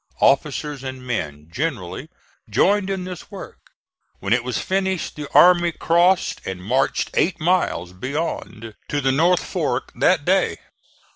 Officers and men generally joined in this work. When it was finished the army crossed and marched eight miles beyond to the North Fork that day.